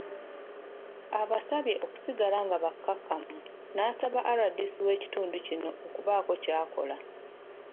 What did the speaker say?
Abasabye okusigala nga bakkakkamu n'asaba RDC w'ekitundu kino okubaako ky'akola.